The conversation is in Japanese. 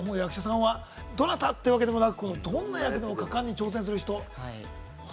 役者さん、どなたってわけじゃなく、どんな役でも果敢に挑戦する人。